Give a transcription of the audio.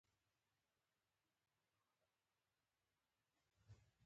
د مراجعینو د خوښۍ لپاره نوي خدمات وړاندې کیږي.